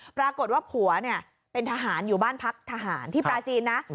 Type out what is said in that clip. ปรากฏว่าผัวเนี่ยเป็นทหารอยู่บ้านพักทหารที่ปลาจีนนะ